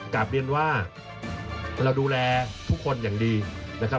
กลับเรียนว่าเราดูแลทุกคนอย่างดีนะครับ